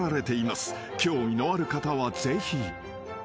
［興味のある方はぜひ］